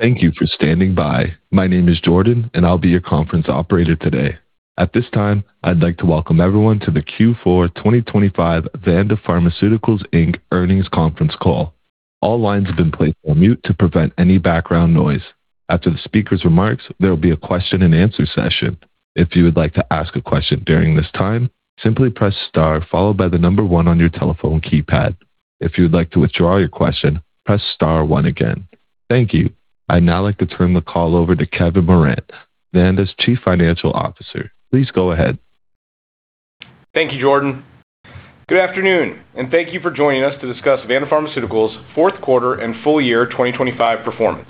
Thank you for standing by. My name is Jordan, and I'll be your conference operator today. At this time, I'd like to welcome everyone to the Q4 2025 Vanda Pharmaceuticals Inc. earnings conference call. All lines have been placed on mute to prevent any background noise. After the speaker's remarks, there will be a question-and-answer session. If you would like to ask a question during this time, simply press star followed by the number one on your telephone keypad. If you would like to withdraw your question, press star one again. Thank you. I'd now like to turn the call over to Kevin Moran, Vanda's Chief Financial Officer. Please go ahead. Thank you, Jordan. Good afternoon, and thank you for joining us to discuss Vanda Pharmaceuticals' fourth quarter and full year 2025 performance.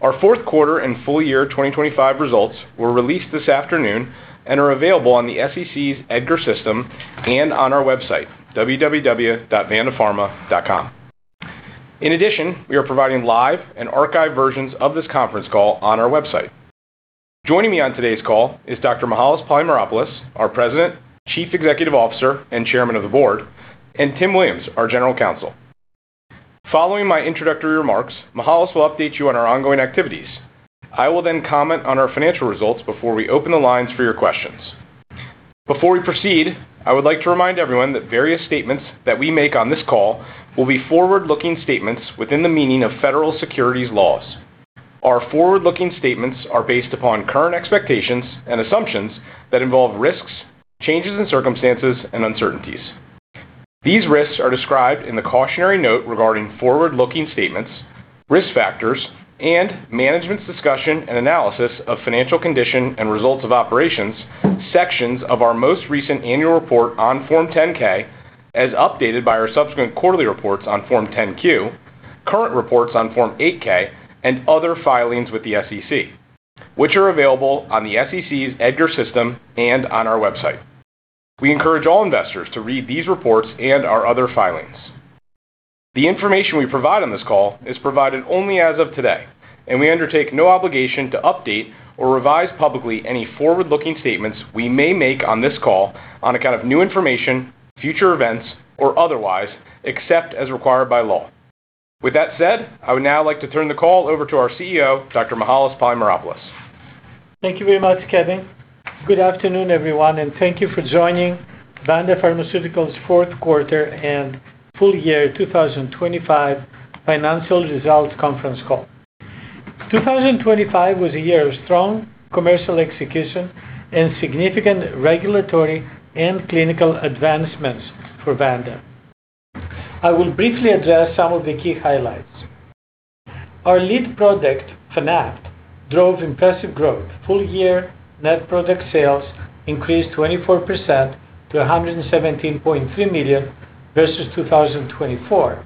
Our fourth quarter and full year 2025 results were released this afternoon and are available on the SEC's EDGAR system and on our website, www.vandapharma.com. In addition, we are providing live and archived versions of this conference call on our website. Joining me on today's call is Dr. Mihael Polymeropoulos, our President, Chief Executive Officer, and Chairman of the Board, and Tim Williams, our General Counsel. Following my introductory remarks, Mihael will update you on our ongoing activities. I will then comment on our financial results before we open the lines for your questions. Before we proceed, I would like to remind everyone that various statements that we make on this call will be forward-looking statements within the meaning of federal securities laws. Our forward-looking statements are based upon current expectations and assumptions that involve risks, changes in circumstances, and uncertainties. These risks are described in the cautionary note regarding forward-looking statements, risk factors, and management's discussion and analysis of financial condition and results of operations, sections of our most recent annual report on Form 10-K as updated by our subsequent quarterly reports on Form 10-Q, current reports on Form 8-K, and other filings with the SEC, which are available on the SEC's EDGAR system and on our website. We encourage all investors to read these reports and our other filings. The information we provide on this call is provided only as of today, and we undertake no obligation to update or revise publicly any forward-looking statements we may make on this call on account of new information, future events, or otherwise, except as required by law. With that said, I would now like to turn the call over to our CEO, Dr. Mihael Polymeropoulos. Thank you very much, Kevin. Good afternoon, everyone, and thank you for joining Vanda Pharmaceuticals' fourth quarter and full year 2025 financial results conference call. 2025 was a year of strong commercial execution and significant regulatory and clinical advancements for Vanda. I will briefly address some of the key highlights. Our lead product, Fanapt, drove impressive growth: full year, net product sales increased 24% to $117.3 million versus 2024,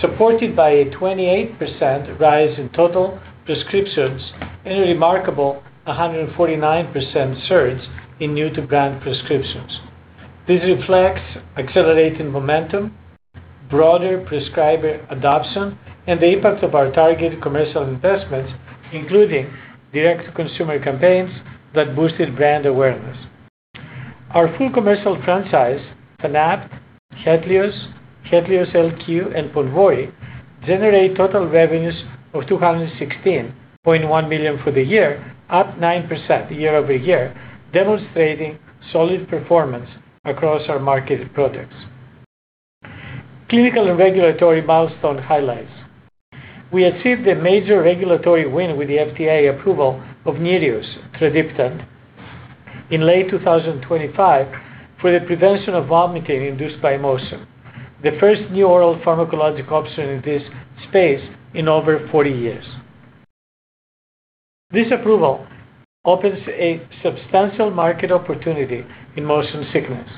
supported by a 28% rise in total prescriptions and a remarkable 149% surge in new-to-brand prescriptions. This reflects accelerating momentum, broader prescriber adoption, and the impact of our targeted commercial investments, including direct-to-consumer campaigns that boosted brand awareness. Our full commercial franchise, Fanapt, Hetlioz, Hetlioz LQ, and Ponvory, generate total revenues of $216.1 million for the year, up 9% year-over-year, demonstrating solid performance across our marketed products. Clinical and regulatory milestone highlights: we achieved a major regulatory win with the FDA approval of Nereus tradipitant in late 2025 for the prevention of vomiting induced by motion, the first new oral pharmacologic option in this space in over 40 years. This approval opens a substantial market opportunity in motion sickness.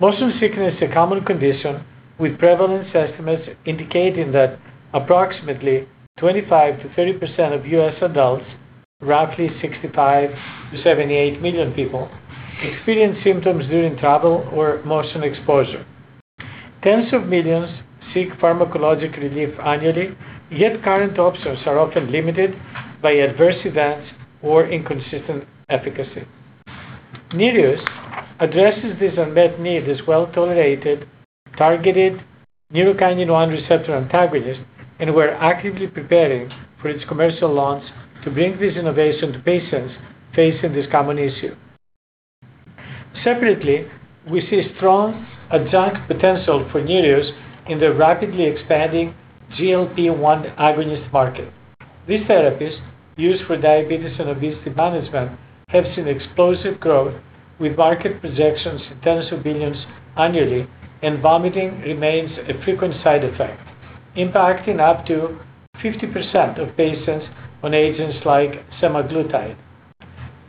Motion sickness is a common condition, with prevalence estimates indicating that approximately 25%-30% of U.S. adults, roughly 65 million-78 million people, experience symptoms during travel or motion exposure. Tens of millions seek pharmacologic relief annually, yet current options are often limited by adverse events or inconsistent efficacy. Nereus addresses this unmet need as well-tolerated, targeted neurokinin-1 receptor antagonist, and we're actively preparing for its commercial launch to bring this innovation to patients facing this common issue. Separately, we see strong adjunct potential for Nereus in the rapidly expanding GLP-1 agonist market. These therapies, used for diabetes and obesity management, have seen explosive growth, with market projections in tens of billions annually, and vomiting remains a frequent side effect, impacting up to 50% of patients on agents like semaglutide.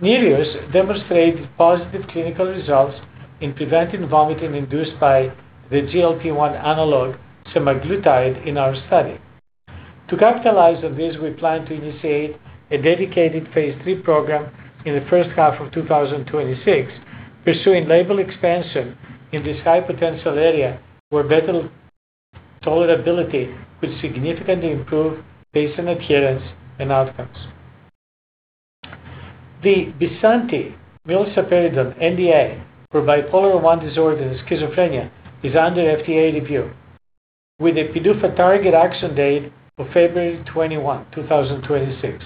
Nereus demonstrated positive clinical results in preventing vomiting induced by the GLP-1 analog semaglutide in our study. To capitalize on this, we plan to initiate a dedicated phase III program in the first half of 2026, pursuing label expansion in this high-potential area where better tolerability could significantly improve patient adherence and outcomes. The Bysanti-iloperidone NDA for bipolar I disorder and schizophrenia is under FDA review, with a PDUFA target action date of February 21, 2026.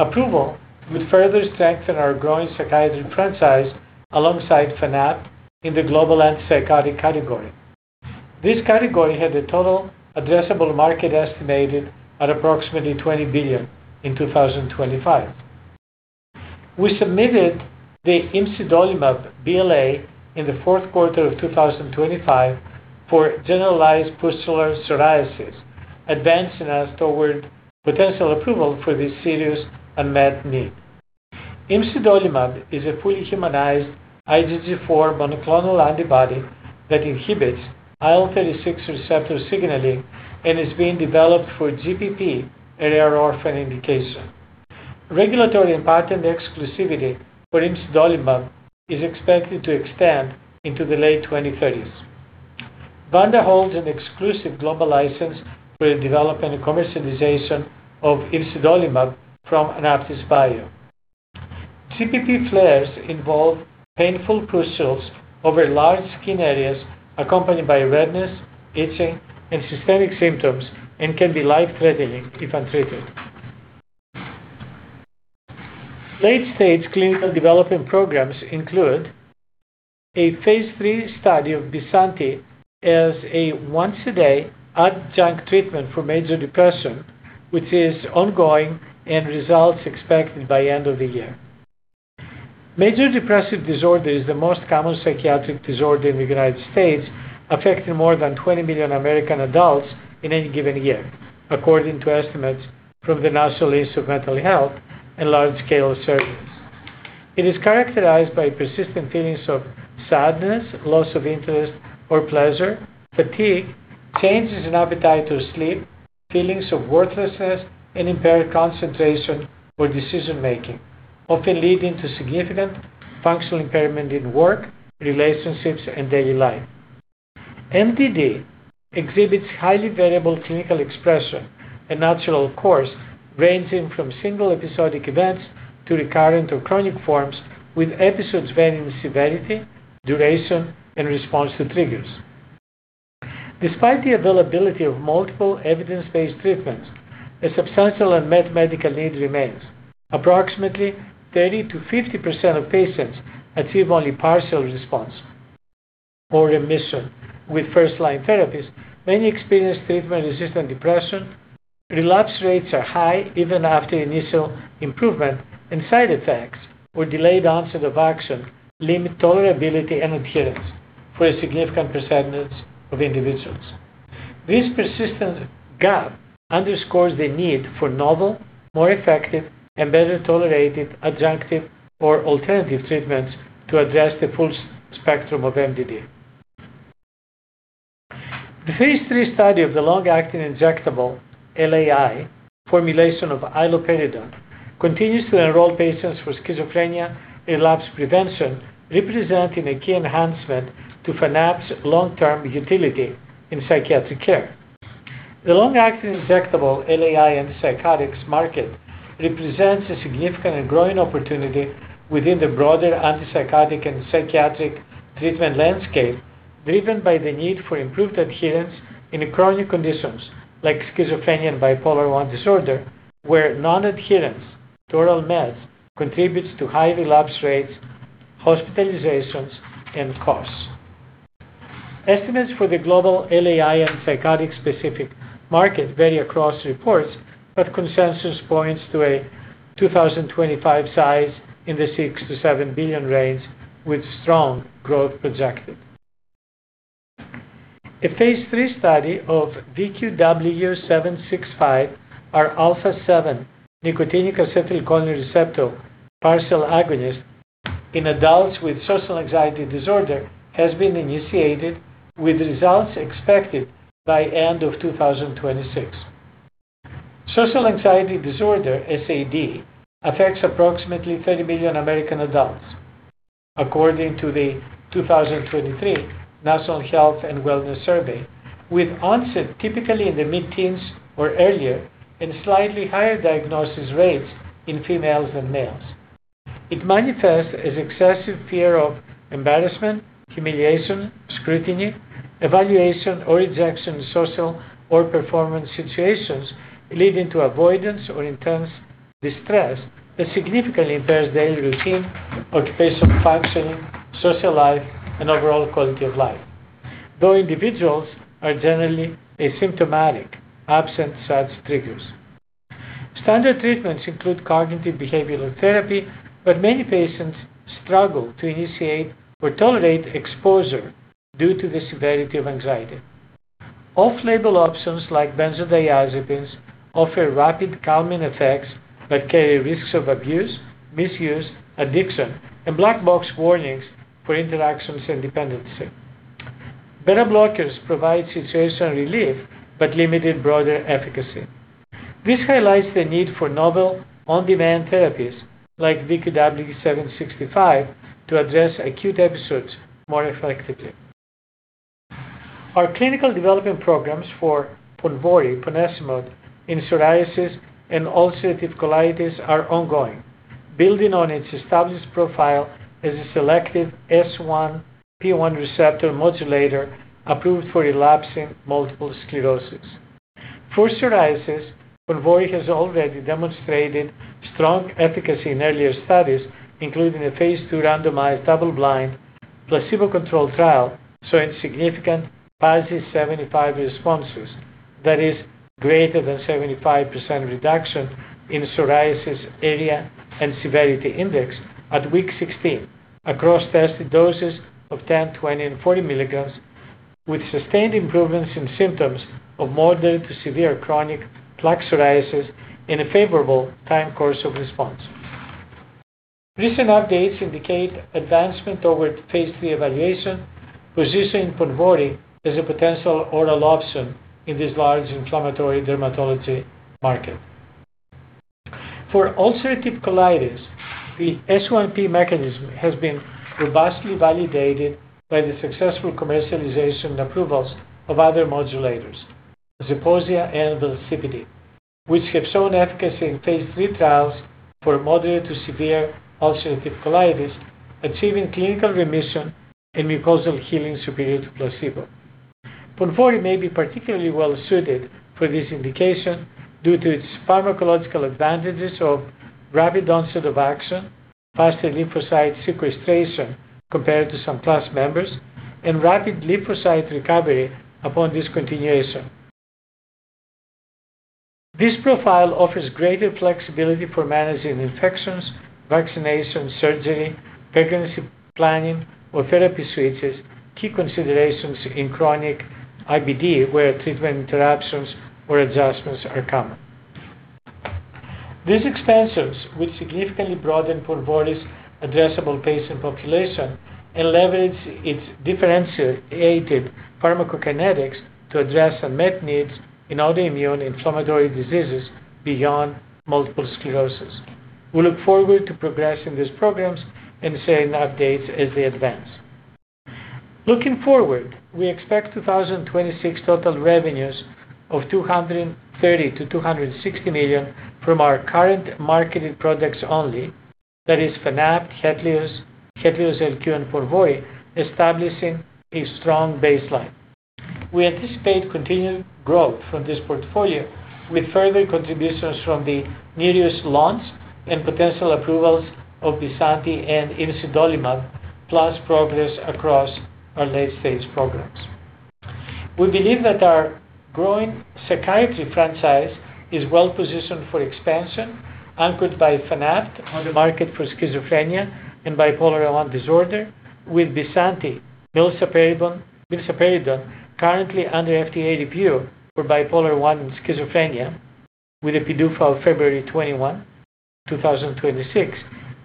Approval would further strengthen our growing psychiatric franchise alongside Fanapt in the global antipsychotic category. This category had a total addressable market estimated at approximately $20 billion in 2025. We submitted the imsidolimab BLA in the fourth quarter of 2025 for generalized pustular psoriasis, advancing us toward potential approval for this serious unmet need. Imsidolimab is a fully humanized IgG4 monoclonal antibody that inhibits IL-36 receptor signaling and is being developed for GPP rare orphan indication. Regulatory impact and exclusivity for imsidolimab is expected to extend into the late 2030s. Vanda holds an exclusive global license for the development and commercialization of imsidolimab from AnaptysBio. GPP flares involve painful pustules over large skin areas accompanied by redness, itching, and systemic symptoms and can be life-threatening if untreated. Late-stage clinical development programs include a phase III study of Bysanti as a once-a-day adjunct treatment for major depression, which is ongoing and results expected by end of the year. Major depressive disorder is the most common psychiatric disorder in the United States, affecting more than 20 million American adults in any given year, according to estimates from the National Institute of Mental Health and large-scale surveys. It is characterized by persistent feelings of sadness, loss of interest or pleasure, fatigue, changes in appetite or sleep, feelings of worthlessness, and impaired concentration or decision-making, often leading to significant functional impairment in work, relationships, and daily life. MDD exhibits highly variable clinical expression and natural course, ranging from single episodic events to recurrent or chronic forms, with episodes varying in severity, duration, and response to triggers. Despite the availability of multiple evidence-based treatments, a substantial unmet medical need remains. Approximately 30%-50% of patients achieve only partial response or remission with first-line therapies. Many experience treatment-resistant depression. Relapse rates are high even after initial improvement, and side effects or delayed onset of action limit tolerability and adherence for a significant percentage of individuals. This persistent gap underscores the need for novel, more effective, and better tolerated adjunctive or alternative treatments to address the full spectrum of MDD. The phase III study of the long-acting injectable LAI formulation of iloperidone continues to enroll patients for schizophrenia relapse prevention, representing a key enhancement to Fanapt's long-term utility in psychiatric care. The long-acting injectable LAI antipsychotics market represents a significant and growing opportunity within the broader antipsychotic and psychiatric treatment landscape, driven by the need for improved adherence in chronic conditions like schizophrenia and bipolar I disorder, where non-adherence to oral meds contributes to high relapse rates, hospitalizations, and costs. Estimates for the global LAI antipsychotic-specific market vary across reports, but consensus points to a 2025 size in the $6 billion-$7 billion range, with strong growth projected. A phase III study of VQW-765, our alpha 7 nicotinic acetylcholine receptor partial agonist in adults with social anxiety disorder, has been initiated, with results expected by end of 2026. Social anxiety disorder, SAD, affects approximately 30 million American adults, according to the 2023 National Health and Wellness Survey, with onset typically in the mid-teens or earlier and slightly higher diagnosis rates in females than males. It manifests as excessive fear of embarrassment, humiliation, scrutiny, evaluation, or rejection in social or performance situations, leading to avoidance or intense distress that significantly impairs daily routine, occupational functioning, social life, and overall quality of life, though individuals are generally asymptomatic absent such triggers. Standard treatments include cognitive behavioral therapy, but many patients struggle to initiate or tolerate exposure due to the severity of anxiety. Off-label options like benzodiazepines offer rapid calming effects but carry risks of abuse, misuse, addiction, and black box warnings for interactions and dependency. Beta-blockers provide situational relief but limited broader efficacy. This highlights the need for novel, on-demand therapies like VQW-765 to address acute episodes more effectively. Our clinical development programs for Ponvory, ponesimod, in psoriasis and ulcerative colitis are ongoing, building on its established profile as a selective S1P1 receptor modulator approved for relapsing multiple sclerosis. For psoriasis, Ponvory has already demonstrated strong efficacy in earlier studies, including a phase II randomized double-blind placebo-controlled trial showing significant PASI 75 responses, that is, greater than 75% reduction, in psoriasis area and severity index at week 16 across tested doses of 10, 20, and 40 milligrams, with sustained improvements in symptoms of moderate to severe chronic plaque psoriasis in a favorable time course of response. Recent updates indicate advancement toward phase III evaluation, positioning Ponvory as a potential oral option in this large inflammatory dermatology market. For ulcerative colitis, the S1P mechanism has been robustly validated by the successful commercialization and approvals of other modulators, Zeposia and Velsipity, which have shown efficacy in phase III trials for moderate to severe ulcerative colitis, achieving clinical remission and mucosal healing superior to placebo. Ponvory may be particularly well-suited for this indication due to its pharmacological advantages of rapid onset of action, faster lymphocyte sequestration compared to some class members, and rapid lymphocyte recovery upon discontinuation. This profile offers greater flexibility for managing infections, vaccination, surgery, pregnancy planning, or therapy switches, key considerations in chronic IBD where treatment interruptions or adjustments are common. These expansions, which significantly broaden Ponvory's addressable patient population and leverage its differentiated pharmacokinetics to address unmet needs in autoimmune inflammatory diseases beyond multiple sclerosis, will look forward to progressing these programs and sharing updates as they advance. Looking forward, we expect 2026 total revenues of $230 million-$260 million from our current marketed products only - that is, Fanapt, Hetlioz, Hetlioz LQ, and Ponvory - establishing a strong baseline. We anticipate continued growth from this portfolio, with further contributions from the Nereus launch and potential approvals of Bysanti and imsidolimab, plus progress across our late-stage programs. We believe that our growing psychiatry franchise is well-positioned for expansion, anchored by Fanapt on the market for schizophrenia and bipolar I disorder, with Bysanti, iloperidone currently under FDA review for bipolar I schizophrenia with a PDUFA of February 21, 2026,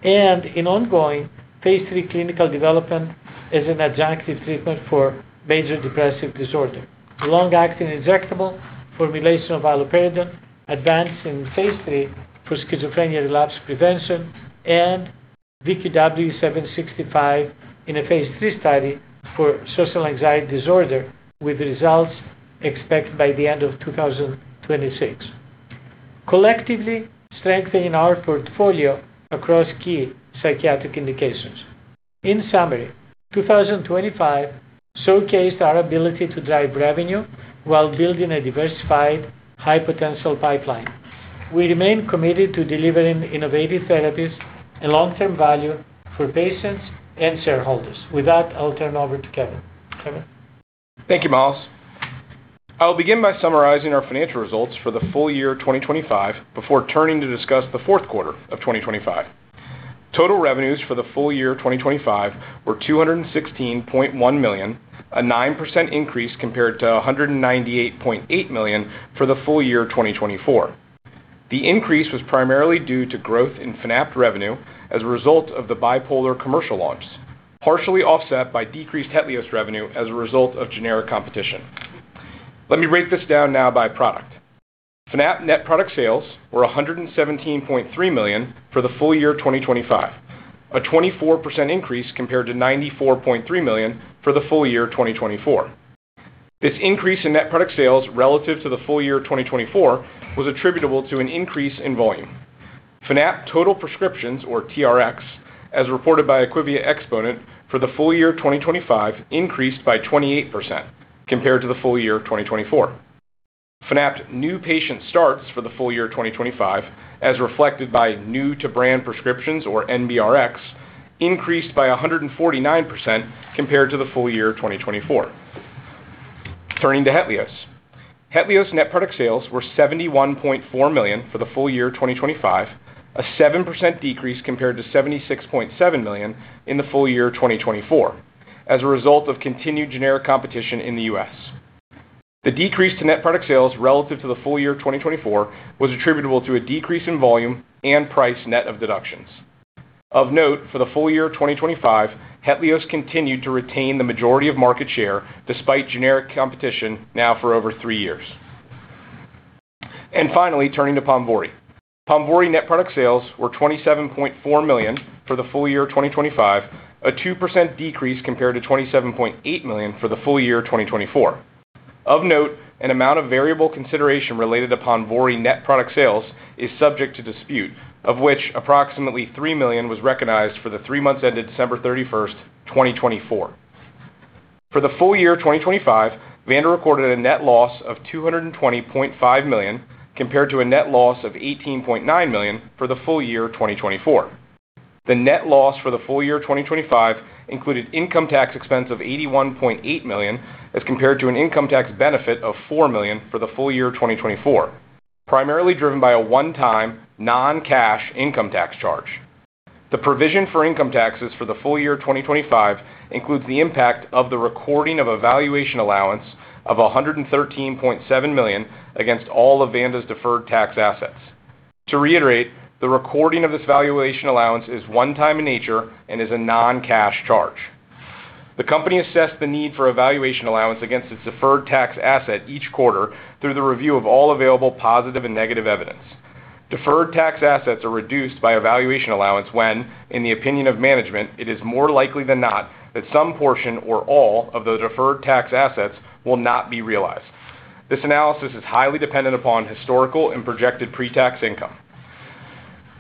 and in ongoing phase III clinical development as an adjunctive treatment for major depressive disorder. Long-acting injectable formulation of iloperidone advanced in phase III for schizophrenia relapse prevention and VQW-765 in a phase III study for social anxiety disorder, with results expected by the end of 2026. Collectively, strengthening our portfolio across key psychiatric indications. In summary, 2025 showcased our ability to drive revenue while building a diversified high-potential pipeline. We remain committed to delivering innovative therapies and long-term value for patients and shareholders. With that, I'll turn over to Kevin. Kevin? Thank you, Mihael. I will begin by summarizing our financial results for the full year 2025 before turning to discuss the fourth quarter of 2025. Total revenues for the full year 2025 were $216.1 million, a 9% increase compared to $198.8 million for the full year 2024. The increase was primarily due to growth in Fanapt revenue as a result of the bipolar commercial launches, partially offset by decreased Hetlioz revenue as a result of generic competition. Let me break this down now by product. Fanapt net product sales were $117.3 million for the full year 2025, a 24% increase compared to $94.3 million for the full year 2024. This increase in net product sales relative to the full year 2024 was attributable to an increase in volume. Fanapt total prescriptions, or TRx, as reported by IQVIA, for the full year 2025 increased by 28% compared to the full year 2024. Fanapt new patient starts for the full year 2025, as reflected by new-to-brand prescriptions, or NBRX, increased by 149% compared to the full year 2024. Turning to Hetlioz. Hetlioz net product sales were $71.4 million for the full year 2025, a 7% decrease compared to $76.7 million in the full year 2024, as a result of continued generic competition in the U.S. The decrease to net product sales relative to the full year 2024 was attributable to a decrease in volume and price net of deductions. Of note, for the full year 2025, Hetlioz continued to retain the majority of market share despite generic competition now for over three years. And finally, turning to Ponvory. Ponvory net product sales were $27.4 million for the full year 2025, a 2% decrease compared to $27.8 million for the full year 2024. Of note, an amount of variable consideration related to Ponvory net product sales is subject to dispute, of which approximately $3 million was recognized for the three-month-ended December 31st, 2024. For the full year 2025, Vanda recorded a net loss of $220.5 million compared to a net loss of $18.9 million for the full year 2024. The net loss for the full year 2025 included income tax expense of $81.8 million as compared to an income tax benefit of $4 million for the full year 2024, primarily driven by a one-time, non-cash income tax charge. The provision for income taxes for the full year 2025 includes the impact of the recording of valuation allowance of $113.7 million against all of Vanda's deferred tax assets. To reiterate, the recording of this valuation allowance is one-time in nature and is a non-cash charge. The company assessed the need for valuation allowance against its deferred tax asset each quarter through the review of all available positive and negative evidence. Deferred tax assets are reduced by valuation allowance when, in the opinion of management, it is more likely than not that some portion or all of the deferred tax assets will not be realized. This analysis is highly dependent upon historical and projected pre-tax income.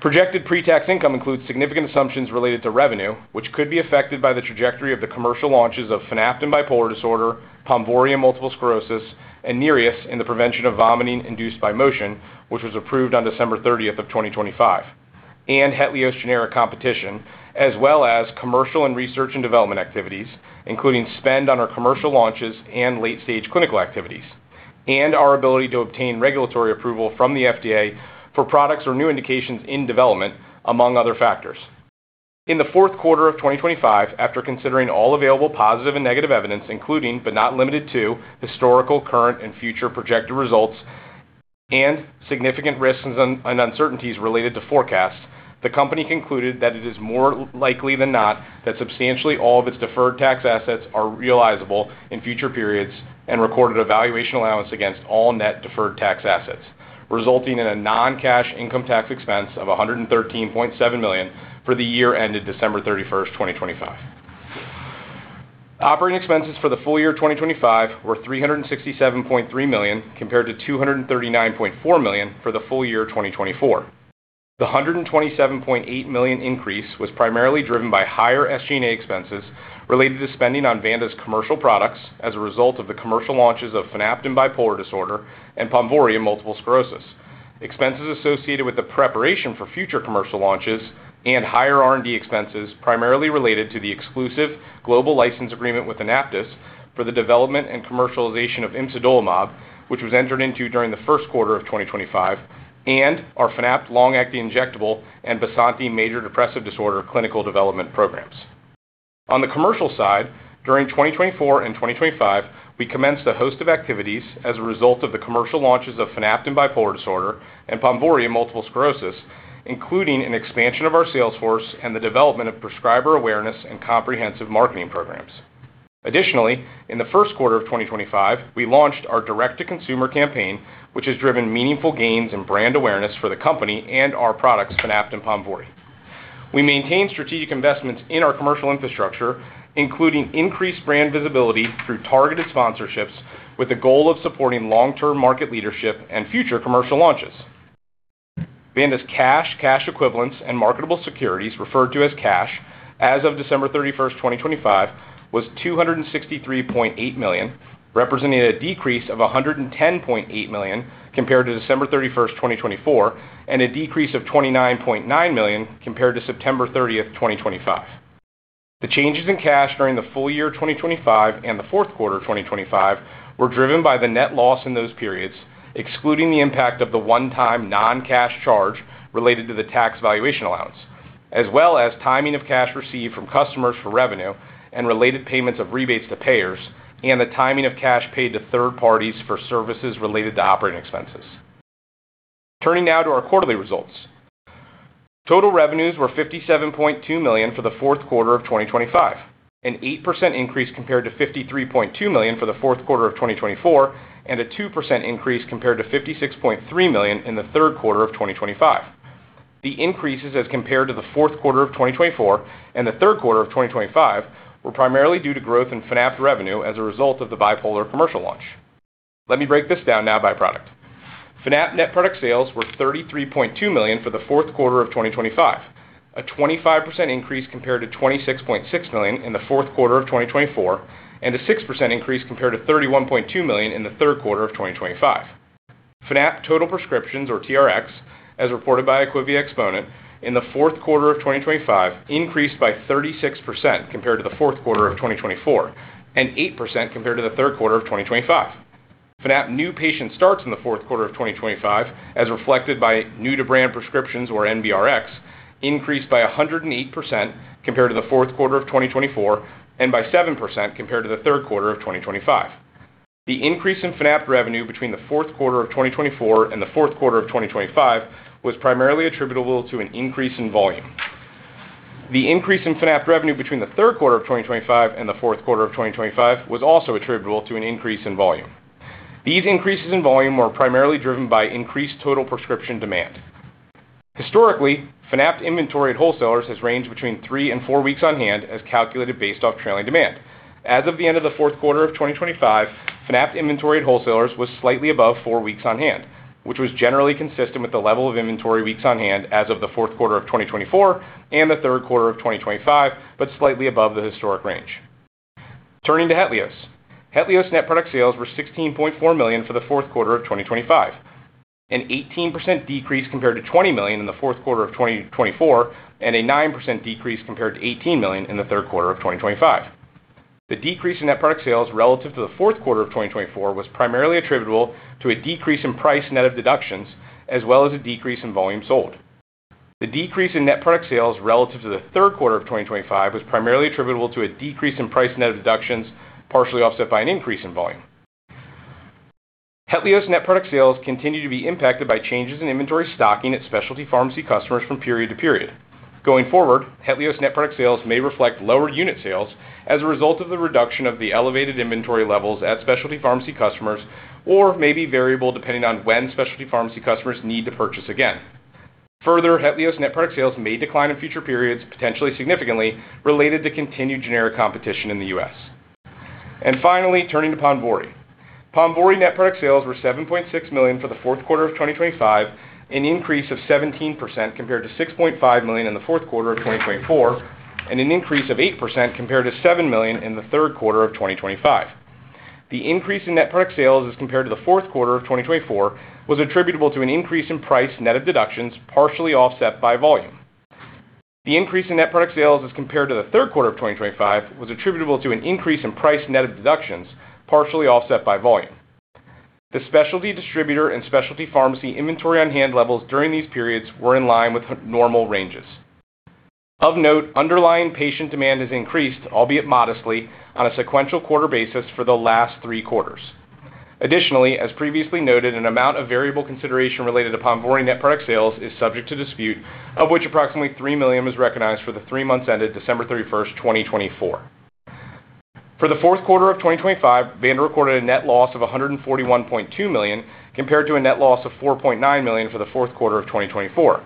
Projected pre-tax income includes significant assumptions related to revenue, which could be affected by the trajectory of the commercial launches of Fanapt and bipolar disorder, Ponvory and multiple sclerosis, and Nereus in the prevention of vomiting induced by motion, which was approved on December 30th, 2025, and Hetlioz generic competition, as well as commercial and research and development activities, including spend on our commercial launches and late-stage clinical activities, and our ability to obtain regulatory approval from the FDA for products or new indications in development, among other factors. In the fourth quarter of 2025, after considering all available positive and negative evidence, including but not limited to historical, current, and future projected results, and significant risks and uncertainties related to forecasts, the company concluded that it is more likely than not that substantially all of its deferred tax assets are realizable in future periods and recorded a valuation allowance against all net deferred tax assets, resulting in a non-cash income tax expense of $113.7 million for the year ended December 31st, 2025. Operating expenses for the full year 2025 were $367.3 million compared to $239.4 million for the full year 2024. The $127.8 million increase was primarily driven by higher SG&A expenses related to spending on Vanda's commercial products as a result of the commercial launches of Fanapt and bipolar disorder and Ponvory and multiple sclerosis. Expenses associated with the preparation for future commercial launches and higher R&D expenses, primarily related to the exclusive global license agreement with AnaptysBio for the development and commercialization of imsidolimab, which was entered into during the first quarter of 2025, and our Fanapt long-acting injectable and Bysanti major depressive disorder clinical development programs. On the commercial side, during 2024 and 2025, we commenced a host of activities as a result of the commercial launches of Fanapt and bipolar disorder and Ponvory and multiple sclerosis, including an expansion of our sales force and the development of prescriber awareness and comprehensive marketing programs. Additionally, in the first quarter of 2025, we launched our direct-to-consumer campaign, which has driven meaningful gains in brand awareness for the company and our products, Fanapt and Ponvory. We maintain strategic investments in our commercial infrastructure, including increased brand visibility through targeted sponsorships with the goal of supporting long-term market leadership and future commercial launches. Vanda's cash, cash equivalents, and marketable securities, referred to as cash, as of December 31st, 2025, was $263.8 million, representing a decrease of $110.8 million compared to December 31st, 2024, and a decrease of $29.9 million compared to September 30th, 2025. The changes in cash during the full year 2025 and the fourth quarter 2025 were driven by the net loss in those periods, excluding the impact of the one-time, non-cash charge related to the tax valuation allowance, as well as timing of cash received from customers for revenue and related payments of rebates to payers, and the timing of cash paid to third parties for services related to operating expenses. T urning now to our quarterly results. Total revenues were $57.2 million for the fourth quarter of 2025, an 8% increase compared to $53.2 million for the fourth quarter of 2024, and a 2% increase compared to $56.3 million in the third quarter of 2025. The increases as compared to the fourth quarter of 2024 and the third quarter of 2025 were primarily due to growth in Fanapt revenue as a result of the bipolar commercial launch. Let me break this down now by product. Fanapt net product sales were $33.2 million for the fourth quarter of 2025, a 25% increase compared to $26.6 million in the fourth quarter of 2024, and a 6% increase compared to $31.2 million in the third quarter of 2025. Fanapt total prescriptions, or TRx, as reported by IQVIA, in the fourth quarter of 2025 increased by 36% compared to the fourth quarter of 2024 and 8% compared to the third quarter of 2025. Fanapt new patient starts in the fourth quarter of 2025, as reflected by new-to-brand prescriptions, or NBRX, increased by 108% compared to the fourth quarter of 2024 and by 7% compared to the third quarter of 2025. The increase in Fanapt revenue between the fourth quarter of 2024 and the fourth quarter of 2025 was primarily attributable to an increase in volume. The increase in Fanapt revenue between the third quarter of 2025 and the fourth quarter of 2025 was also attributable to an increase in volume. These increases in volume were primarily driven by increased total prescription demand. Historically, Fanapt inventory at wholesalers has ranged between three and four weeks on hand, as calculated based off trailing demand. As of the end of the fourth quarter of 2025, Fanapt inventory at wholesalers was slightly above four weeks on hand, which was generally consistent with the level of inventory weeks on hand as of the fourth quarter of 2024 and the third quarter of 2025, but slightly above the historic range. Turning to Hetlioz. Hetlioz net product sales were $16.4 million for the fourth quarter of 2025, an 18% decrease compared to $20 million in the fourth quarter of 2024, and a 9% decrease compared to $18 million in the third quarter of 2025. The decrease in net product sales relative to the fourth quarter of 2024 was primarily attributable to a decrease in price net of deductions, as well as a decrease in volume sold. The decrease in net product sales relative to the third quarter of 2025 was primarily attributable to a decrease in price net of deductions, partially offset by an increase in volume. Hetlioz net product sales continue to be impacted by changes in inventory stocking at specialty pharmacy customers from period to period. Going forward, Hetlioz net product sales may reflect lowered unit sales as a result of the reduction of the elevated inventory levels at specialty pharmacy customers or may be variable depending on when specialty pharmacy customers need to purchase again. Further, Hetlioz net product sales may decline in future periods, potentially significantly, related to continued generic competition in the U.S. And finally, turning to Ponvory. Ponvory net product sales were $7.6 million for the fourth quarter of 2025, an increase of 17% compared to $6.5 million in the fourth quarter of 2024, and an increase of 8% compared to $7 million in the third quarter of 2025. The increase in net product sales, as compared to the fourth quarter of 2024, was attributable to an increase in price net of deductions, partially offset by volume. The increase in net product sales, as compared to the third quarter of 2025, was attributable to an increase in price net of deductions, partially offset by volume. The specialty distributor and specialty pharmacy inventory on hand levels during these periods were in line with normal ranges. Of note, underlying patient demand has increased, albeit modestly, on a sequential quarter basis for the last three quarters. Additionally, as previously noted, an amount of variable consideration related to Ponvory net product sales is subject to dispute, of which approximately $3 million is recognized for the three-month-ended December 31st, 2024. For the fourth quarter of 2025, Vanda recorded a net loss of $141.2 million compared to a net loss of $4.9 million for the fourth quarter of 2024.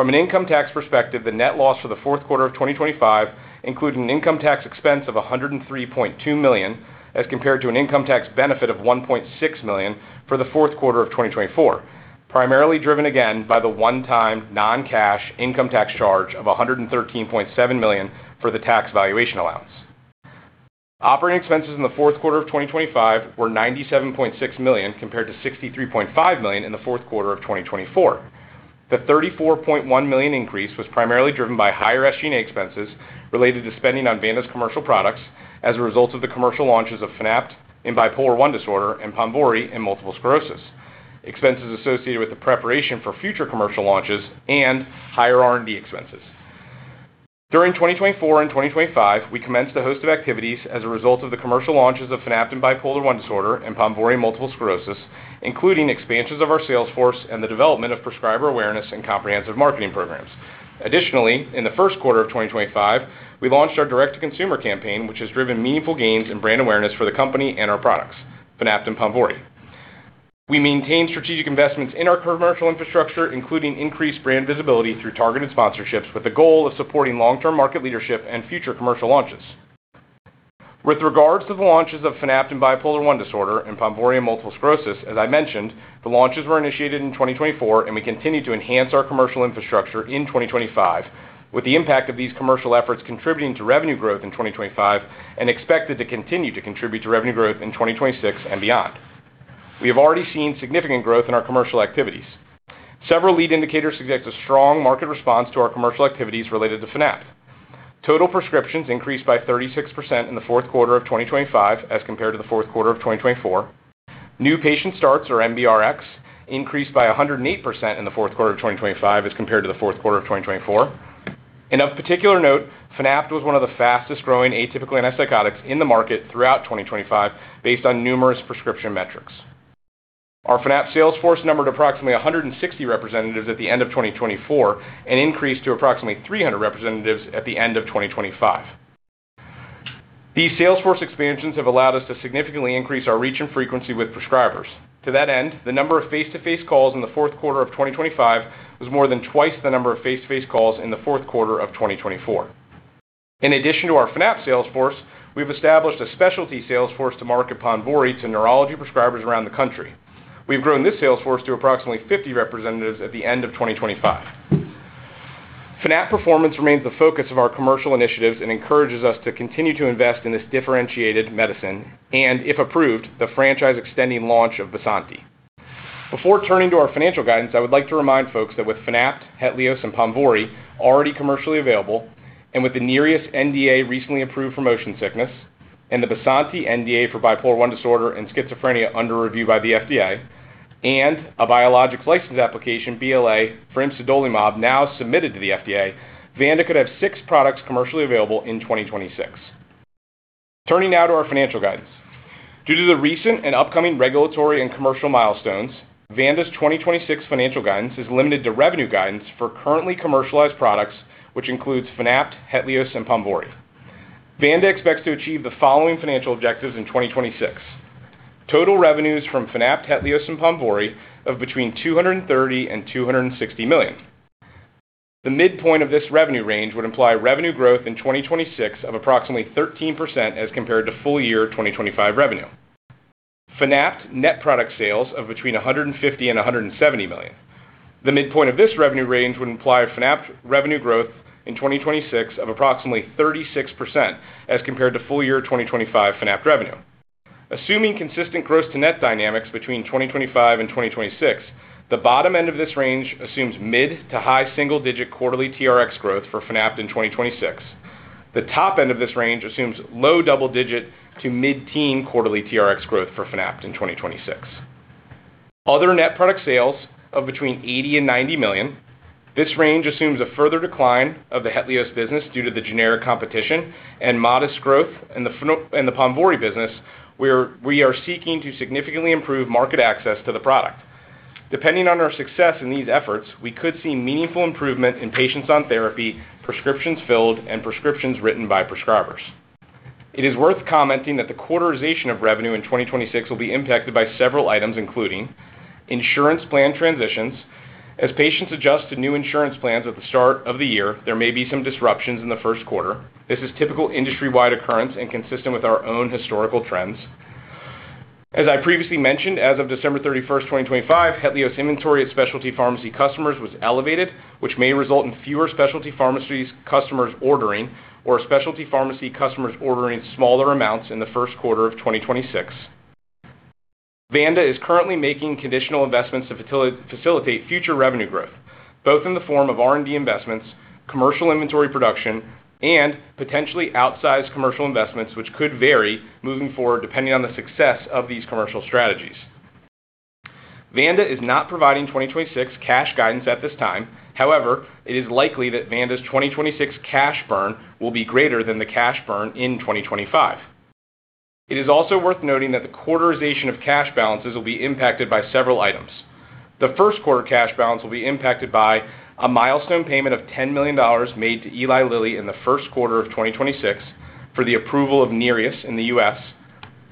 From an income tax perspective, the net loss for the fourth quarter of 2025 included an income tax expense of $103.2 million as compared to an income tax benefit of $1.6 million for the fourth quarter of 2024, primarily driven again by the one-time, non-cash income tax charge of $113.7 million for the tax valuation allowance. Operating expenses in the fourth quarter of 2025 were $97.6 million compared to $63.5 million in the fourth quarter of 2024. The $34.1 million increase was primarily driven by higher SG&A expenses related to spending on Vanda's commercial products as a result of the commercial launches of Fanapt and bipolar I disorder and Ponvory and multiple sclerosis, expenses associated with the preparation for future commercial launches and higher R&D expenses. During 2024 and 2025, we commenced a host of activities as a result of the commercial launches of Fanapt and bipolar I disorder and Ponvory and multiple sclerosis, including expansions of our sales force and the development of prescriber awareness and comprehensive marketing programs. Additionally, in the first quarter of 2025, we launched our direct-to-consumer campaign, which has driven meaningful gains in brand awareness for the company and our products, Fanapt and Ponvory. We maintain strategic investments in our commercial infrastructure, including increased brand visibility through targeted sponsorships with the goal of supporting long-term market leadership and future commercial launches. With regards to the launches of Fanapt and bipolar I disorder and Ponvory and multiple sclerosis, as I mentioned, the launches were initiated in 2024, and we continue to enhance our commercial infrastructure in 2025, with the impact of these commercial efforts contributing to revenue growth in 2025 and expected to continue to contribute to revenue growth in 2026 and beyond. We have already seen significant growth in our commercial activities. Several lead indicators suggest a strong market response to our commercial activities related to Fanapt: total prescriptions increased by 36% in the fourth quarter of 2025 as compared to the fourth quarter of 2024; new patient starts, or NBRX, increased by 108% in the fourth quarter of 2025 as compared to the fourth quarter of 2024. Of particular note, Fanapt was one of the fastest-growing atypical antipsychotics in the market throughout 2025 based on numerous prescription metrics. Our Fanapt sales force numbered approximately 160 representatives at the end of 2024 and increased to approximately 300 representatives at the end of 2025. These sales force expansions have allowed us to significantly increase our reach and frequency with prescribers. To that end, the number of face-to-face calls in the fourth quarter of 2025 was more than twice the number of face-to-face calls in the fourth quarter of 2024. In addition to our Fanapt sales force, we have established a specialty sales force to market Ponvory to neurology prescribers around the country. We have grown this sales force to approximately 50 representatives at the end of 2025. Fanapt performance remains the focus of our commercial initiatives and encourages us to continue to invest in this differentiated medicine and, if approved, the franchise-extending launch of Bysanti. Before turning to our financial guidance, I would like to remind folks that with Fanapt, Hetlioz, and Ponvory already commercially available, and with the Nereus NDA recently approved for motion sickness and the Bysanti NDA for bipolar I disorder and schizophrenia under review by the FDA, and a biologics license application, BLA, for imsidolimab now submitted to the FDA, Vanda could have six products commercially available in 2026. Turning now to our financial guidance. Due to the recent and upcoming regulatory and commercial milestones, Vanda's 2026 financial guidance is limited to revenue guidance for currently commercialized products, which includes Fanapt, Hetlioz, and Ponvory. Vanda expects to achieve the following financial objectives in 2026: total revenues from Fanapt, Hetlioz, and Ponvory of between $230 million and $260 million. The midpoint of this revenue range would imply revenue growth in 2026 of approximately 13% as compared to full-year 2025 revenue. Fanapt net product sales of between $150 million and $170 million. The midpoint of this revenue range would imply Fanapt revenue growth in 2026 of approximately 36% as compared to full-year 2025 Fanapt revenue. Assuming consistent gross-to-net dynamics between 2025 and 2026, the bottom end of this range assumes mid- to high single-digit quarterly TRx growth for Fanapt in 2026. The top end of this range assumes low double-digit to mid-teen quarterly TRx growth for Fanapt in 2026. Other net product sales of between $80 million and $90 million. This range assumes a further decline of the Hetlioz business due to the generic competition and modest growth in the Ponvory business, where we are seeking to significantly improve market access to the product. Depending on our success in these efforts, we could see meaningful improvement in patients on therapy, prescriptions filled, and prescriptions written by prescribers. It is worth commenting that the quarterization of revenue in 2026 will be impacted by several items, including: insurance plan transitions. As patients adjust to new insurance plans at the start of the year, there may be some disruptions in the first quarter. This is typical industry-wide occurrence and consistent with our own historical trends. As I previously mentioned, as of December 31st, 2025, Hetlioz inventory at specialty pharmacy customers was elevated, which may result in fewer specialty pharmacies customers ordering or specialty pharmacy customers ordering smaller amounts in the first quarter of 2026. Vanda is currently making conditional investments to facilitate future revenue growth, both in the form of R&D investments, commercial inventory production, and potentially outsized commercial investments, which could vary moving forward depending on the success of these commercial strategies. Vanda is not providing 2026 cash guidance at this time. However, it is likely that Vanda's 2026 cash burn will be greater than the cash burn in 2025. It is also worth noting that the quarterization of cash balances will be impacted by several items. The first quarter cash balance will be impacted by a milestone payment of $10 million made to Eli Lilly in the first quarter of 2026 for the approval of Nereus in the U.S.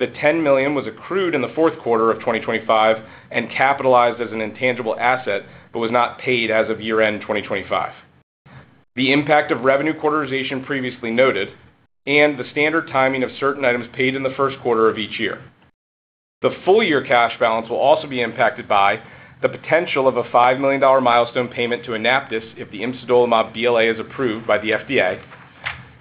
The $10 million was accrued in the fourth quarter of 2025 and capitalized as an intangible asset but was not paid as of year-end 2025. The impact of revenue quarterization previously noted and the standard timing of certain items paid in the first quarter of each year. The full-year cash balance will also be impacted by the potential of a $5 million milestone payment to AnaptysBio if the imsidolimab BLA is approved by the FDA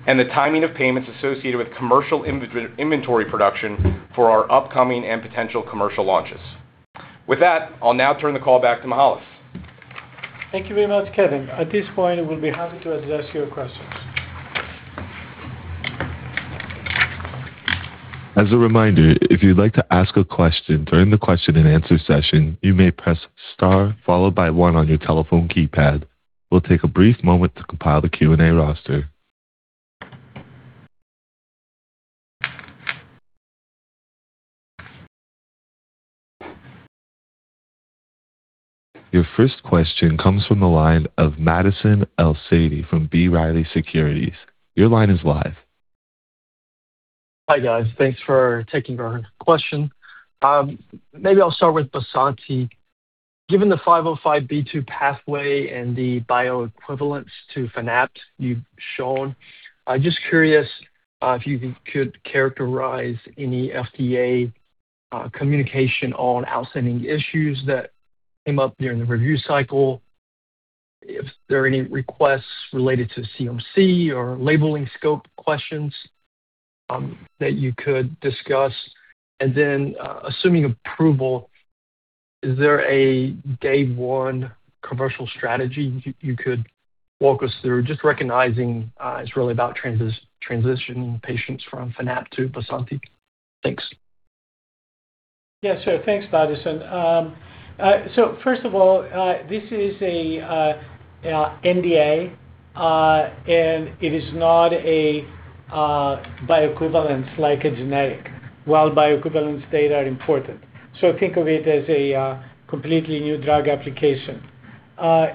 and the timing of payments associated with commercial inventory production for our upcoming and potential commercial launches. With that, I'll now turn the call back to Mihael. Thank you very much, Kevin. At this point, we'll be happy to address your questions. As a reminder, if you'd like to ask a question during the question-and-answer session, you may press star followed by one on your telephone keypad. We'll take a brief moment to compile the Q&A roster. Your first question comes from the line of Madison El-Saadi from B. Riley Securities. Your line is live. Hi, guys. Thanks for taking our question. Maybe I'll start with Bysanti. Given the 505(b)(2) pathway and the bioequivalents to Fanapt you've shown, I'm just curious if you could characterize any FDA communication on outstanding issues that came up during the review cycle, if there are any requests related to CMC or labeling scope questions that you could discuss. And then, assuming approval, is there a day-one commercial strategy you could walk us through? Just recognizing it's really about transitioning patients from Fanapt to Bysanti. Thanks. Yeah. So thanks, Madison. So first of all, this is an NDA, and it is not a bioequivalent like a generic, while bioequivalents data are important. So think of it as a completely new drug application.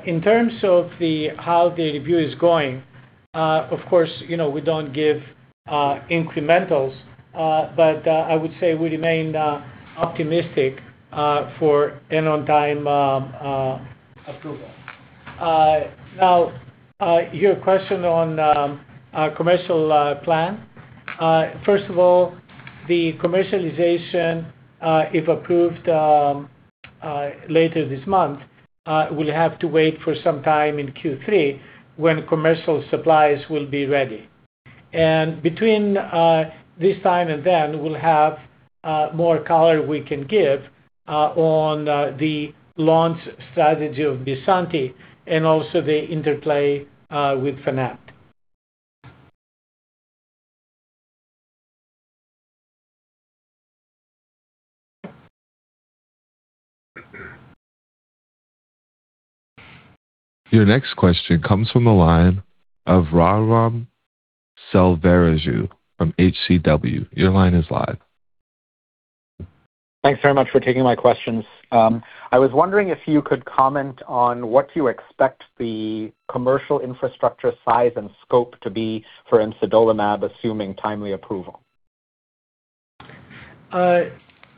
In terms of how the review is going, of course, we don't give incrementals, but I would say we remain optimistic for an on-time approval. Now, your question on commercial plan. First of all, the commercialization, if approved later this month, will have to wait for some time in Q3 when commercial supplies will be ready. And between this time and then, we'll have more color we can give on the launch strategy of Bysanti and also the interplay with Fanapt. Your next question comes from the line of Raghuram Selvaraju from H.C. Wainwright. Your line is live. Thanks very much for taking my questions. I was wondering if you could comment on what you expect the commercial infrastructure size and scope to be for imsidolimab, assuming timely approval? Hi,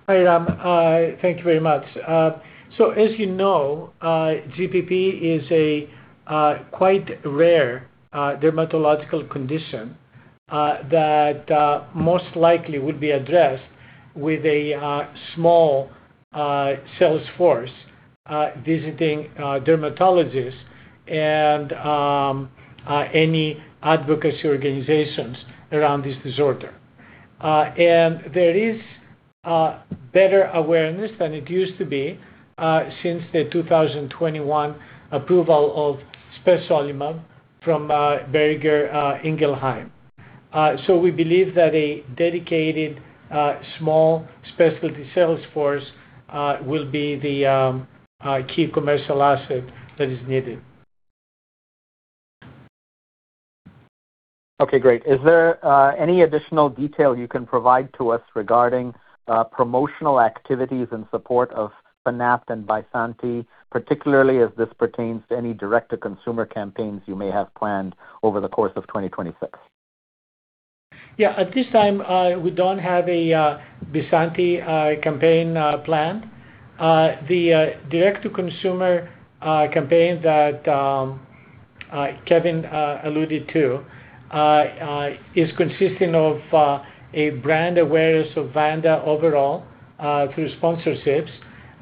Ram. Thank you very much. So as you know, GPP is a quite rare dermatological condition that most likely would be addressed with a small sales force visiting dermatologists and any advocacy organizations around this disorder. And there is better awareness than it used to be since the 2021 approval of spesolimab from Boehringer Ingelheim. So we believe that a dedicated small specialty sales force will be the key commercial asset that is needed. Okay. Great. Is there any additional detail you can provide to us regarding promotional activities in support of Fanapt and Bysanti, particularly as this pertains to any direct-to-consumer campaigns you may have planned over the course of 2026? Yeah. At this time, we don't have a Bysanti campaign planned. The direct-to-consumer campaign that Kevin alluded to is consisting of a brand awareness of Vanda overall through sponsorships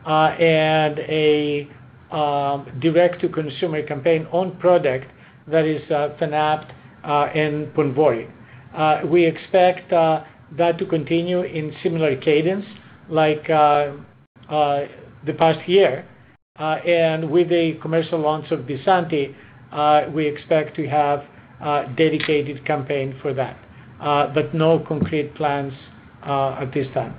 and a direct-to-consumer campaign on product that is Fanapt and Ponvory. We expect that to continue in similar cadence like the past year. And with the commercial launch of Bysanti, we expect to have a dedicated campaign for that, but no concrete plans at this time.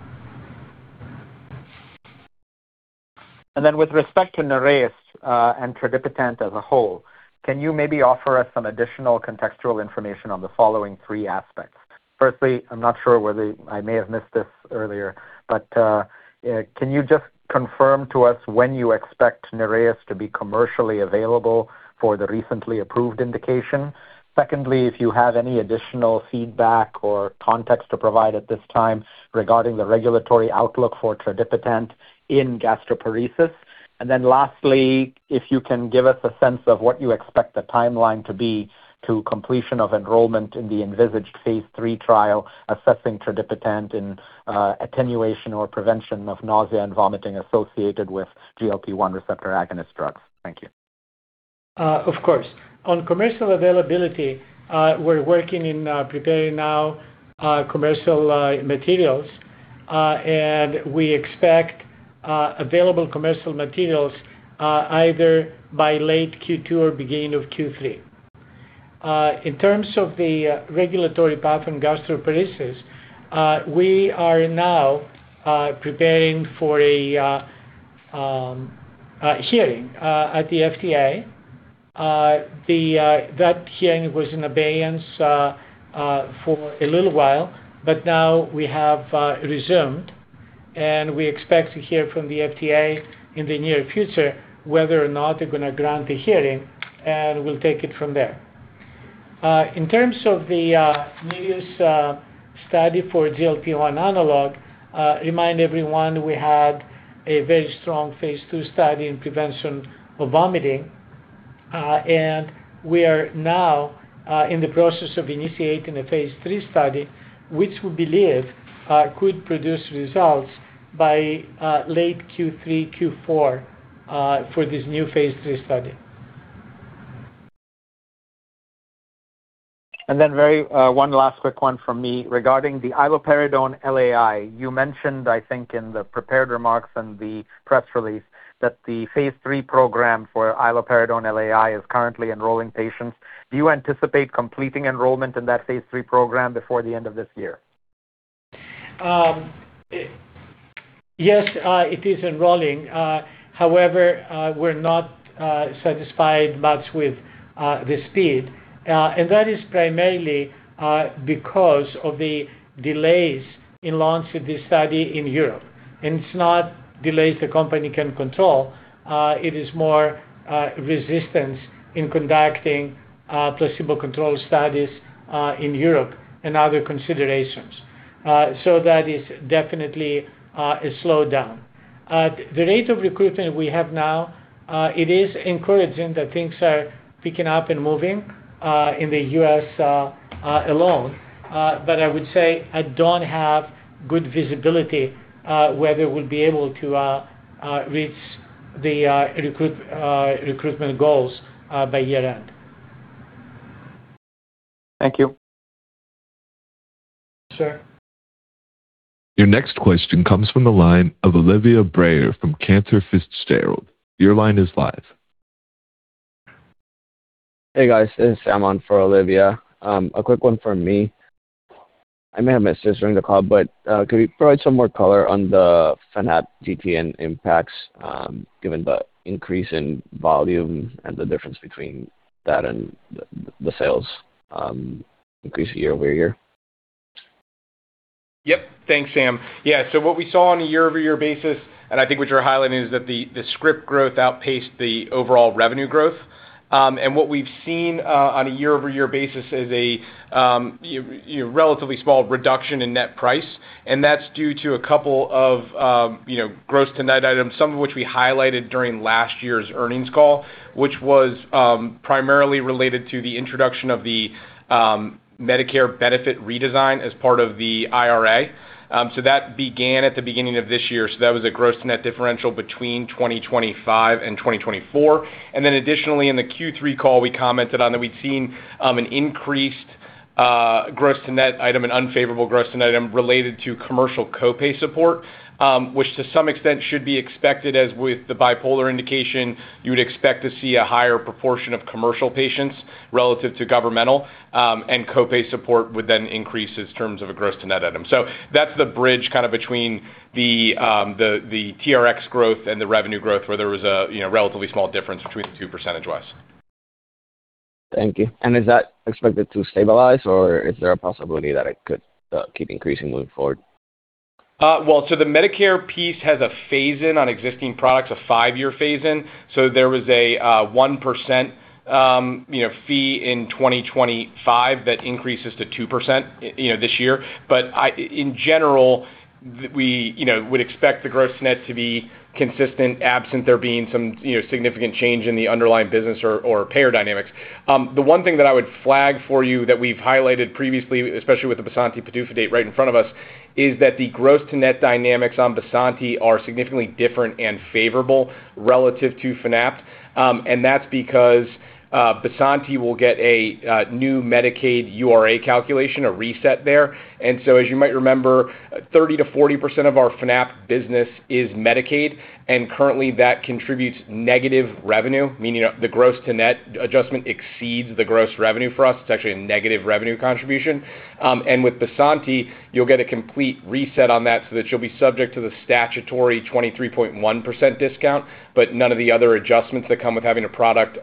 And then with respect to Nereus and tradipitant as a whole, can you maybe offer us some additional contextual information on the following three aspects? Firstly, I'm not sure whether I may have missed this earlier, but can you just confirm to us when you expect Nereus to be commercially available for the recently approved indication? Secondly, if you have any additional feedback or context to provide at this time regarding the regulatory outlook for tradipitant in gastroparesis? And then lastly, if you can give us a sense of what you expect the timeline to be to completion of enrollment in the envisaged phase III trial assessing tradipitant in attenuation or prevention of nausea and vomiting associated with GLP-1 receptor agonist drugs. Thank you. Of course. On commercial availability, we're working in preparing now commercial materials, and we expect available commercial materials either by late Q2 or beginning of Q3. In terms of the regulatory path on gastroparesis, we are now preparing for a hearing at the FDA. That hearing was in abeyance for a little while, but now we have resumed, and we expect to hear from the FDA in the near future whether or not they're going to grant the hearing, and we'll take it from there. In terms of the Nereus study for GLP-1 analog, remind everyone we had a very strong phase II study in prevention of vomiting, and we are now in the process of initiating a phase III study, which we believe could produce results by late Q3, Q4 for this new phase III study. And then one last quick one from me regarding the iloperidone LAI. You mentioned, I think, in the prepared remarks and the press release that the phase III program for iloperidone LAI is currently enrolling patients. Do you anticipate completing enrollment in that phase III program before the end of this year? Yes, it is enrolling. However, we're not satisfied much with the speed, and that is primarily because of the delays in launching this study in Europe. It's not delays the company can control. It is more resistance in conducting placebo-controlled studies in Europe and other considerations. That is definitely a slowdown. The rate of recruitment we have now, it is encouraging that things are picking up and moving in the U.S. alone, but I would say I don't have good visibility whether we'll be able to reach the recruitment goals by year-end. Thank you. Sure. Your next question comes from the line of Olivia Brayer from Cantor Fitzgerald. Your line is live. Hey, guys. This is Sam on for Olivia. A quick one from me. I may have my sister on the call, but could you provide some more color on the Fanapt GTN impacts given the increase in volume and the difference between that and the sales increase year-over-year? Yep. Thanks, Sam. Yeah. So what we saw on a year-over-year basis, and I think what you're highlighting is that the script growth outpaced the overall revenue growth. And what we've seen on a year-over-year basis is a relatively small reduction in net price, and that's due to a couple of gross-to-net items, some of which we highlighted during last year's earnings call, which was primarily related to the introduction of the Medicare benefit redesign as part of the IRA. So that began at the beginning of this year. So that was a gross-to-net differential between 2025 and 2024. And then additionally, in the Q3 call, we commented on that we'd seen an increased gross-to-net item, an unfavorable gross-to-net item related to commercial copay support, which to some extent should be expected as with the bipolar indication, you would expect to see a higher proportion of commercial patients relative to governmental, and copay support would then increase in terms of a gross-to-net item. So that's the bridge kind of between the TRx growth and the revenue growth where there was a relatively small difference between the two percentage-wise. Thank you. And is that expected to stabilize, or is there a possibility that it could keep increasing moving forward? Well, so the Medicare piece has a phase-in on existing products, a five-year phase-in. So there was a 1% fee in 2025 that increases to 2% this year. But in general, we would expect the gross-to-net to be consistent absent there being some significant change in the underlying business or payer dynamics. The one thing that I would flag for you that we've highlighted previously, especially with the Bysanti PDUFA date right in front of us, is that the gross-to-net dynamics on Bysanti are significantly different and favorable relative to Fanapt. And that's because Bysanti will get a new Medicaid URA calculation, a reset there. And so as you might remember, 30%-40% of our Fanapt business is Medicaid, and currently, that contributes negative revenue, meaning the gross-to-net adjustment exceeds the gross revenue for us. It's actually a negative revenue contribution. And with Bysanti, you'll get a complete reset on that so that you'll be subject to the statutory 23.1% discount, but none of the other adjustments that come with having a product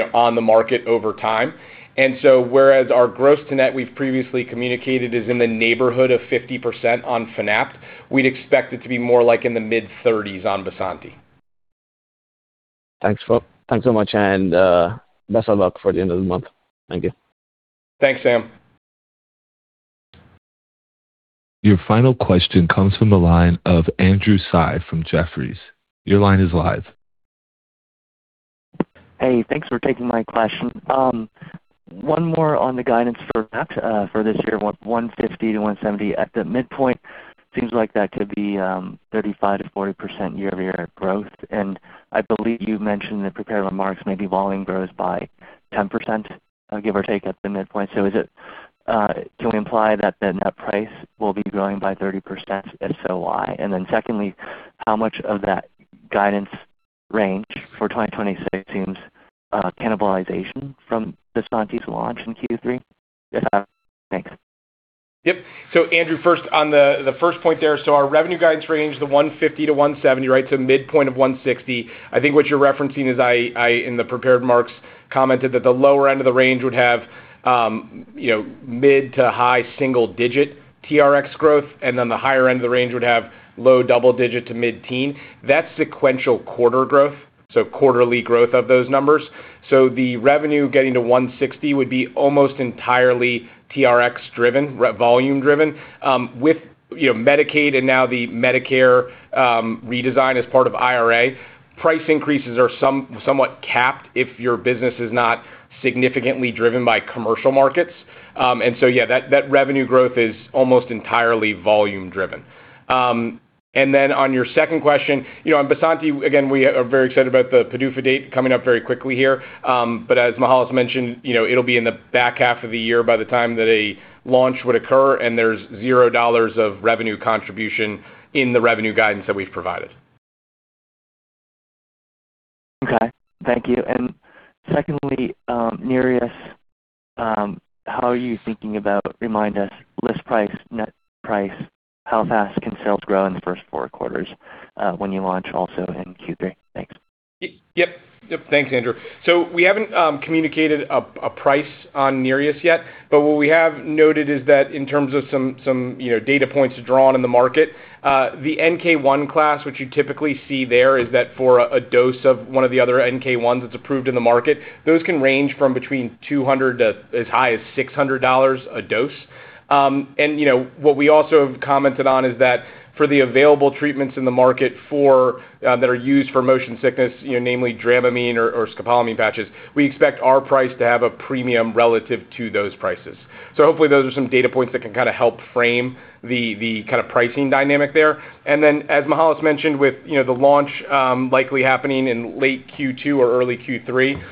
on the market over time. And so whereas our gross-to-net, we've previously communicated, is in the neighborhood of 50% on Fanapt, we'd expect it to be more like in the mid-30s% on Bysanti. Thanks so much. Best of luck for the end of the month. Thank you. Thanks, Sam. Your final question comes from the line of Andrew Tsai from Jefferies. Your line is live. Hey. Thanks for taking my question. One more on the guidance for Fanapt for this year, $150-$170. At the midpoint, it seems like that could be 35%-40% year-over-year growth. And I believe you mentioned in the prepared remarks maybe volume grows by 10%, give or take, at the midpoint. So can we imply that the net price will be growing by 30%? If so, why? And then secondly, how much of that guidance range for 2026 seems cannibalization from Bysanti's launch in Q3? If that makes sense. Yep. So Andrew, first, on the first point there, so our revenue guidance range, the $150-$170, right, so midpoint of $160, I think what you're referencing is I in the prepared remarks commented that the lower end of the range would have mid- to high single-digit TRx growth, and then the higher end of the range would have low double-digit to mid-teen. That's sequential quarter growth, so quarterly growth of those numbers. So the revenue getting to 160 would be almost entirely TRx-driven, volume-driven. With Medicaid and now the Medicare redesign as part of IRA, price increases are somewhat capped if your business is not significantly driven by commercial markets. And so yeah, that revenue growth is almost entirely volume-driven. And then on your second question, on Bysanti, again, we are very excited about the PDUFA date coming up very quickly here. But as Mihael has mentioned, it'll be in the back half of the year by the time that a launch would occur, and there's $0 of revenue contribution in the revenue guidance that we've provided. Okay. Thank you. And secondly, Nereus, how are you thinking about, remind us, list price, net price, how fast can sales grow in the first four quarters when you launch also in Q3? Thanks. Yep. Yep. Thanks, Andrew. So we haven't communicated a price on Nereus yet, but what we have noted is that in terms of some data points drawn in the market, the NK-1 class, which you typically see there, is that for a dose of one of the other NK-1s that's approved in the market, those can range from between $200-$600 a dose. And what we also have commented on is that for the available treatments in the market that are used for motion sickness, namely Dramamine or scopolamine patches, we expect our price to have a premium relative to those prices. So hopefully, those are some data points that can kind of help frame the kind of pricing dynamic there. Then as Mihael has mentioned, with the launch likely happening in late Q2 or early Q3,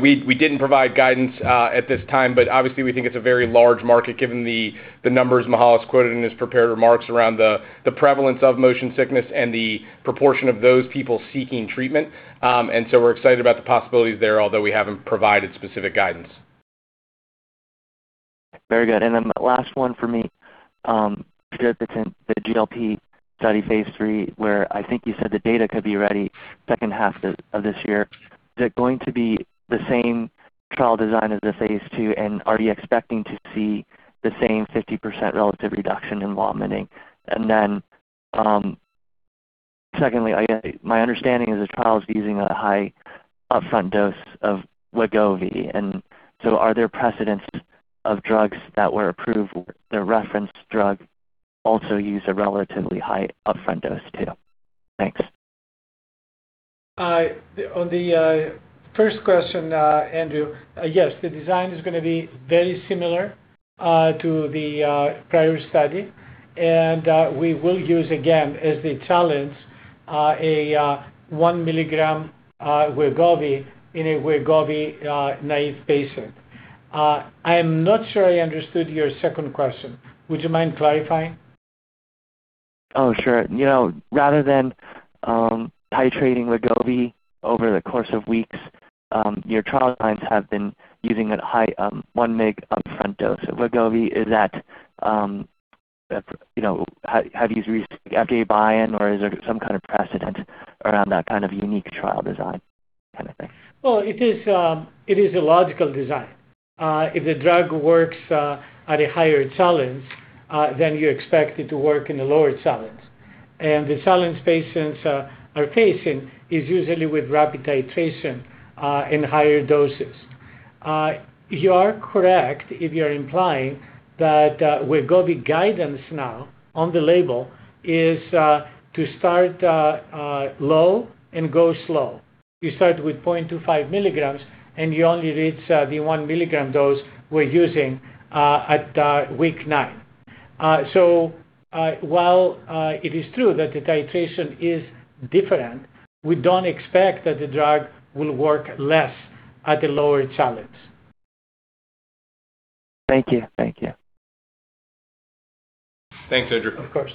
we didn't provide guidance at this time, but obviously, we think it's a very large market given the numbers Mihael has quoted in his prepared remarks around the prevalence of motion sickness and the proportion of those people seeking treatment. So we're excited about the possibilities there, although we haven't provided specific guidance. Very good. And then last one for me, tradipitant, the GLP study phase III, where I think you said the data could be ready second half of this year, is it going to be the same trial design as the phase II, and are you expecting to see the same 50% relative reduction in vomiting? And then secondly, my understanding is the trial is using a high upfront dose of Wegovy. And so are there precedents of drugs that were approved, the reference drug, also use a relatively high upfront dose too? Thanks. On the first question, Andrew, yes, the design is going to be very similar to the prior study, and we will use, again, as the challenge, a 1 milligram Wegovy in a Wegovy naive patient. I am not sure I understood your second question. Would you mind clarifying? Oh, sure. Rather than titrating Wegovy over the course of weeks, your trial lines have been using a high 1-mg upfront dose of Wegovy. Is that have you used FDA buy-in, or is there some kind of precedent around that kind of unique trial design kind of thing? Well, it is a logical design. If the drug works at a higher challenge, then you expect it to work in a lower challenge. The challenge patients are facing is usually with rapid titration in higher doses. You are correct if you're implying that Wegovy guidance now on the label is to start low and go slow. You start with 0.25 milligrams, and you only reach the 1 milligram dose we're using at week nine. While it is true that the titration is different, we don't expect that the drug will work less at a lower challenge. Thank you. Thank you. Thanks, Andrew. Of course.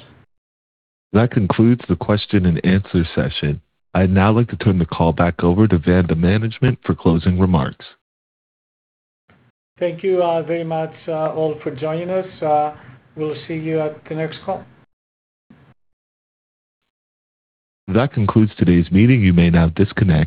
That concludes the question-and-answer session. I'd now like to turn the call back over to Vanda Management for closing remarks. Thank you very much all for joining us. We'll see you at the next call. That concludes today's meeting. You may now disconnect.